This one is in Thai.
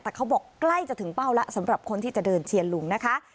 แต่เขาบอกใกล้จะถึงเป้าแล้วสำหรับคนที่จะเดินเชียร์ลุงนะคะ